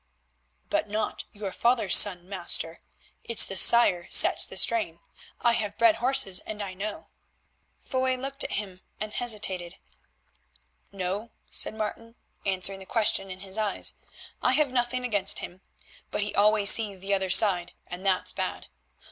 "But not your father's son, master. It's the sire sets the strain; I have bred horses, and I know." Foy looked at him and hesitated. "No," said Martin, answering the question in his eyes. "I have nothing against him, but he always sees the other side, and that's bad.